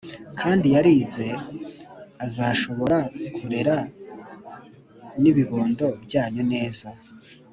kandi yarize azashobora kurera n’ibibondo byanyu neza